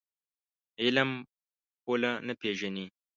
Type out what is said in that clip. علم پوله نه پېژني.